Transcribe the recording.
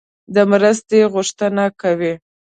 د مرستې غوښتنه کوي.